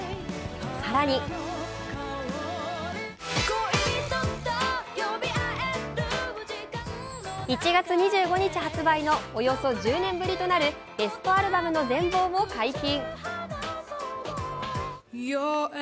更に、１月２５日発売のおよそ１０年ぶりとなるベストアルバムの全貌も解禁。